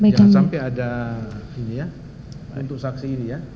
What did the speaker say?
jangan sampai ada ini ya untuk saksi ini ya